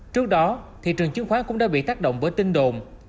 trước đó thị trường chứng khoán cũng đã bị tác động với tinh đồn